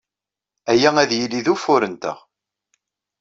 Aya ad yili d ufur-nteɣ.